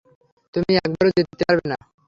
তুমি একবারও জিততে পারবে না।